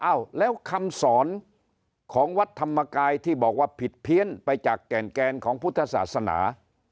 เอ้าแล้วคำสอนของวัดธรรมกายที่บอกว่าผิดเพี้ยนไปจากแก่นแกนของพุทธศาสนา